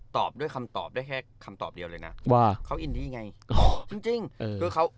ตอบด้วยคำตอบได้แค่คำตอบเดียวเลยนะว่าเขาอินดี้ไงจริงจริงเออคือเขา